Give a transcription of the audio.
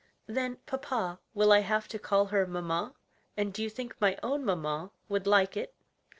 "Then, papa, will I have to call her mamma? and do you think my own mamma would like it?"